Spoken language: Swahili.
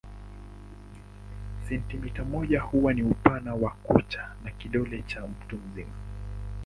Sentimita moja huwa ni upana wa kucha ya kidole cha mtu mzima.